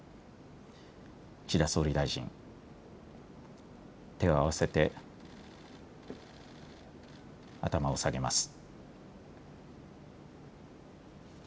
岸田総理大臣、手を合わせて頭を下げます。